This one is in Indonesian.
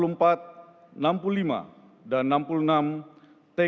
lampiran keputusan presiden republik indonesia